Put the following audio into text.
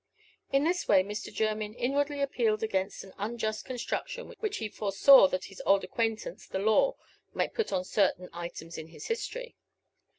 In this way Mr. Jermyn inwardly appealed against an unjust construction which he foresaw that his old acquaintance the law might put on certain items in his history.